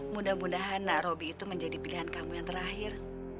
mudah mudahan nak roby itu menjadi pilihan kamu yang terakhir